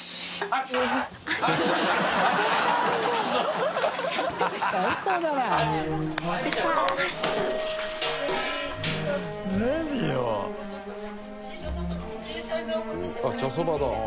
あっ茶そばだ。